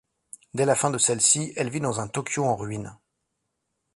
Dès la fin de celle-ci, elle vit dans un Tokyo en ruines.